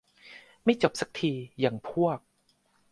ไม่จบซักที อย่างพวก